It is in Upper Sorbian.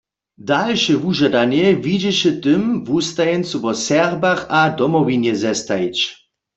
Dalše wužadanje widźeše w tym, wustajeńcu wo Serbach a Domowinje zestajić.